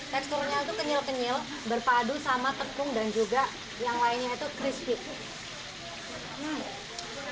teksturnya itu kenyal kenyil berpadu sama tepung dan juga yang lainnya itu crispy